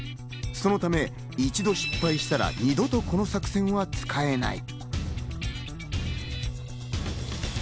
そのため、一度失敗したら二度とこの作戦は使えない。